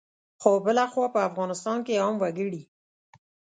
خو بلخوا په افغانستان کې عام وګړي